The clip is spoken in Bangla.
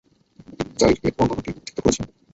ইবন জারীর এ বর্ণনাটি উদ্ধৃত করেছেন।